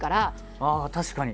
ああ確かに。